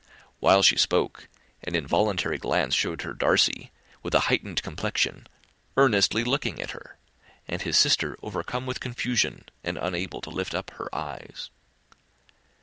While she spoke, an involuntary glance showed her Darcy with a heightened complexion, earnestly looking at her, and his sister overcome with confusion, and unable to lift up her eyes.